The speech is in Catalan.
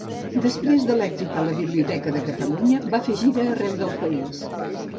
Després de l'èxit a la Biblioteca de Catalunya van fer gira arreu del país.